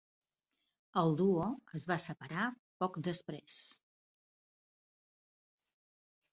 El duo es va separar poc després.